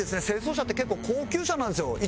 清掃車って結構高級車なんですよ。